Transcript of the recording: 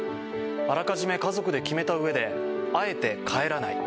あらかじめ家族で決めたうえであえて帰らない。